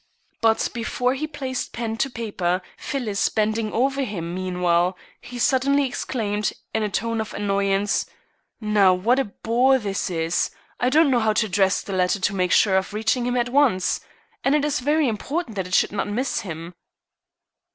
But before he placed pen to paper, Phyllis bending over him meanwhile, he suddenly exclaimed, in a tone of annoyance: "Now, what a bore this is. I don't know how to address the letter to make sure of reaching him at once, and it is very important that it should not miss him."